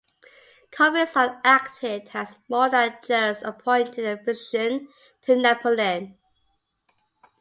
Corvisart acted as more than just an appointed physician to Napoleon.